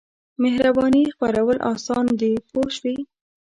مهربانۍ خپرول اسان دي پوه شوې!.